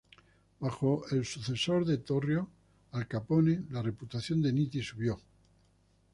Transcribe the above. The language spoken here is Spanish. Bajo el sucesor de Torrio, Al Capone, la reputación de Nitti subió.